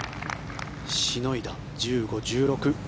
しのいだ１５、１６。